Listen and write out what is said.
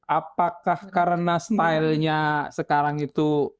apakah karena stylenya sekarang itu